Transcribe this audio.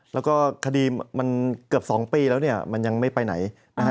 แล้วก็คดีมันเกือบ๒ปีแล้วมันยังไม่ไปไหน